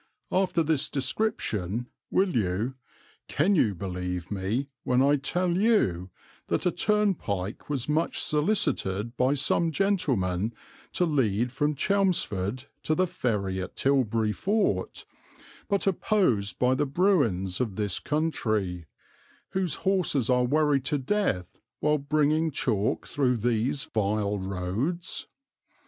After this description, will you can you believe me when I tell you, that a turnpike was much solicited by some gentlemen to lead from Chelmsford to the ferry at Tilbury Fort, but opposed by the bruins of this country whose horses are worried to death while bringing chalk through these vile roads?